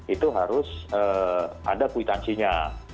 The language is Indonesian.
itu harus ada kuitansinya